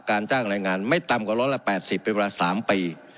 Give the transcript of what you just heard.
ในการจ้างหลายงานไม่ต่ำกว่าร้อนละ๘๐เป็นเวลา๓ปี